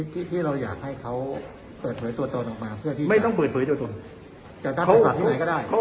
ที่เราอยากให้เขาเปิดเผยตัวตนออกมา